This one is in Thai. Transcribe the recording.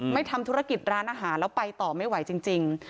ทำธุรกิจร้านอาหารแล้วไปต่อไม่ไหวจริง